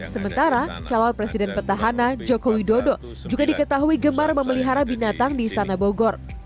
sementara calon presiden petahana jokowi dodo juga diketahui gemar memelihara binatang di sana bogor